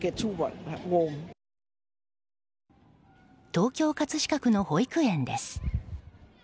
東京・葛飾区の保育園です。